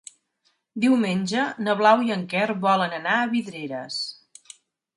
Diumenge na Blau i en Quer volen anar a Vidreres.